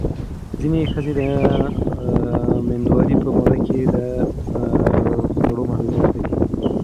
ځینې ښځې د مېندوارۍ په موده کې د خوړو محدودیت لري.